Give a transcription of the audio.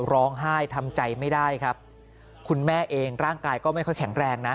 ร้องไห้ทำใจไม่ได้ครับคุณแม่เองร่างกายก็ไม่ค่อยแข็งแรงนะ